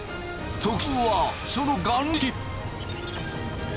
特徴はその眼力。